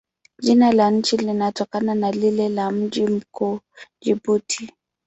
Jina la nchi linatokana na lile la mji mkuu, Jibuti.